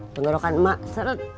penggerokan emak seret